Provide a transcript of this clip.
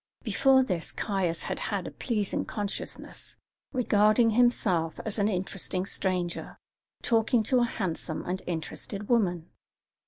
Before this Caius had had a pleasing consciousness, regarding himself as an interesting stranger talking to a handsome and interested woman.